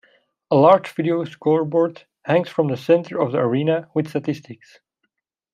A large video scoreboard hangs from the center of the arena with statistics.